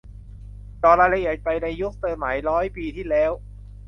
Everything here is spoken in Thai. เจาะรายละเอียดไปในยุคสมัยร้อยปีที่แล้ว